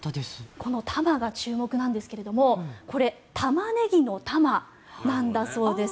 この玉が注目なんですがタマネギの玉なんだそうです。